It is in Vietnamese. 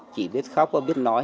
chị biết khóc và biết nói